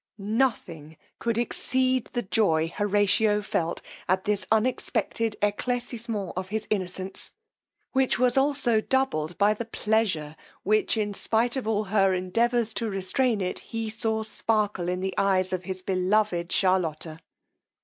Nothing could exceed the joy Horatio felt at this unexpected eclaircisement of his innocence, which was also doubled by the pleasure which, in spight of all her endeavours to restrain it, he saw sparkle in the eyes of his beloved Charlotta.